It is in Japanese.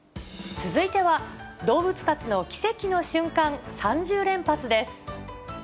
続いては、どうぶつたちのキセキの瞬間３０連発！です。